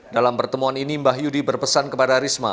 dalam pertemuan ini mbah yudi berpesan kepada risma